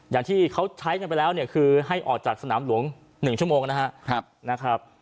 อย่างที่เขาใช้กันไปแล้วเนี่ยคือให้ออกจากสนามหลวง๑ชั่วโมงนะครับ